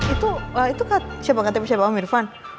itu siapa ktp om irvan